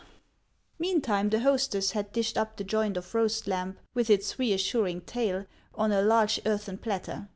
Meantime the hostess had dished up the joint of roast lamb, with its reassuring tail, on a large earthen platter.